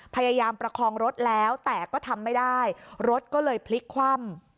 พยายามประคองรถแล้วแต่ก็ทำไม่ได้รถก็เลยพลิกคว่ำ